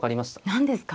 何ですか。